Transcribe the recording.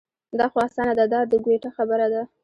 دا خو اسانه ده دا د ګویته خبره ده.